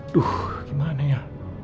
aduh gimana ya